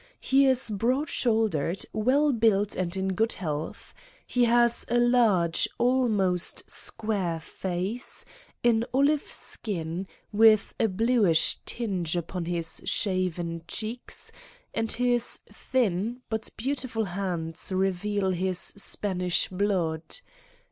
He is broad shouldered, well built and in good health. He has a large, almost square face, an olive skin, with a bluish tinge upon his shaven cheeks, and his thin, but beautiful hands reveal his Spanish blood.